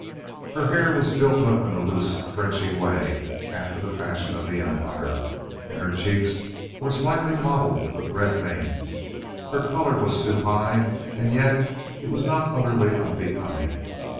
Her hair was built up in a loose Frenchy way, after the fashion of the empire, and her cheeks were slightly mottled with red veins. Her color was too high, and yet it was not utterly unbecoming.